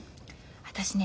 私ね